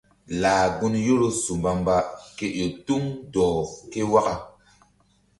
Lah gun Yoro su mbamba ke ƴo tuŋ dɔh ke waka.